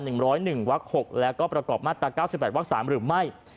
ร้อยหนึ่งวักหกแล้วก็ประกอบมาตราเก้าสิบแปดวักสามหรือไม่